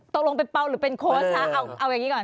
ตกลงเป็นเปล่าหรือเป็นโค้ชคะเอาอย่างนี้ก่อน